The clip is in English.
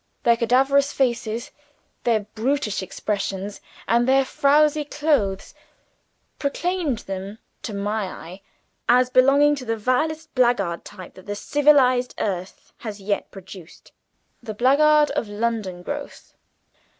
Their cadaverous faces, their brutish expressions, and their frowzy clothes, proclaimed them, to my eye, as belonging to the vilest blackguard type that the civilized earth has yet produced the blackguard of London growth.